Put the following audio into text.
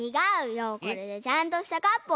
これでちゃんとしたカップをつくるの！